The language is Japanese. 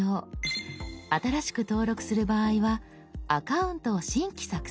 新しく登録する場合は「アカウントを新規作成」です。